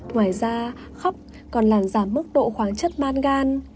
ngoài ra khóc còn làm giảm mức độ khoáng chất mangan